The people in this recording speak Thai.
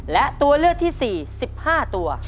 และตัวเลือกที่๔๑๕ตัว